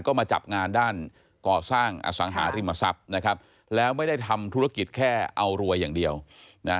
ก็มาจับงานด้านก่อสร้างอสังหาริมทรัพย์นะครับแล้วไม่ได้ทำธุรกิจแค่เอารวยอย่างเดียวนะ